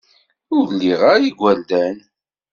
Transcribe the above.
Ur liɣ ara igerdan.